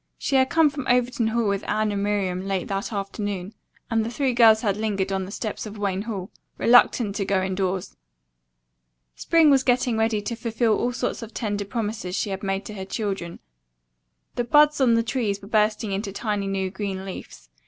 She had come from Overton Hall with Anne and Miriam late that afternoon and the three girls had lingered on the steps of Wayne Hall, reluctant to go indoors. Spring was getting ready to fulfill all sorts of tender promises she had made to her children. The buds on the trees were bursting into tiny new green leaves.